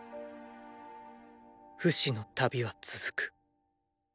フシの旅は続く。